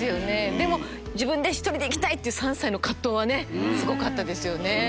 でも自分１人で行きたいっていう３歳の藤はすごかったですね。